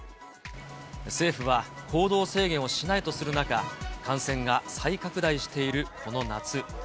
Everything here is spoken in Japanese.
政府は行動制限をしないとする中、感染が再拡大しているこの夏。